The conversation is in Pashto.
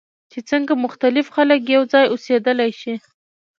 چې څنګه مختلف خلک یوځای اوسیدلی شي.